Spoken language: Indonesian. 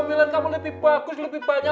bagus lebih banyak